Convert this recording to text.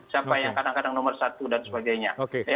siapa yang kadang kadang nomor satu dan sebagainya